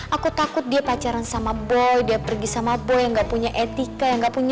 aku takut dia pacaran sama boy dia pergi sama boy yang gak punya etika yang gak punya